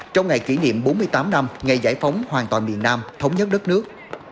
trong ngày kỷ niệm bốn mươi tám năm ngày giải phóng hoàn toàn miền nam thống nhất đất nước